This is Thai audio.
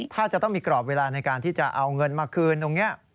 ถ้าจะต้องมีกรอบเวลาในการที่จะเอาเงินมาคืนตรงนี้